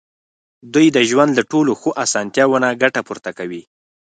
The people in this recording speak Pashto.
دوی د ژوند له ټولو ښو اسانتیاوو نه ګټه پورته کوي.